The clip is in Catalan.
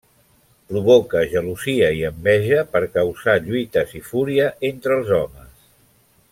Provoca gelosia i enveja per causar lluites i fúria entre els homes.